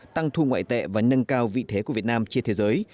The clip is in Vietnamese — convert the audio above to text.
tăng thu ngoại tệ và nâng cao vị thế của việt nam trên thế giới